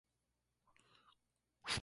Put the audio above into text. La corporación Net Revolution, Inc.